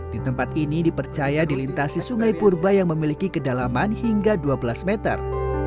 di tempat ini dipercaya dilintasi sungai purba yang memiliki kedalaman hingga dua belas meter